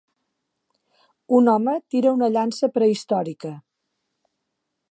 Un home tira una llança prehistòrica.